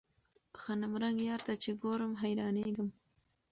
غنمرنګ يار ته چې ګورم حيرانېږم.